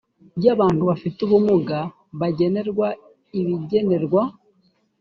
y abantu bafite ubumuga bagenerwa ibigenerwa